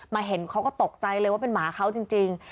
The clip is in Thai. เห็นเขาก็ตกใจเลยว่าเป็นหมาเขาจริง